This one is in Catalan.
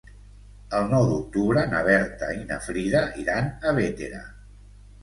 El nou d'octubre na Berta i na Frida iran a Bétera.